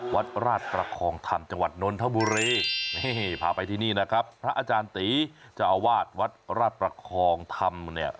วัดราชประคองธรรมจังหวัดนนทบุรีนี่พาไปที่นี่นะครับพระอาจารย์ตีเจ้าอาวาสวัดราชประคองธรรมเนี่ย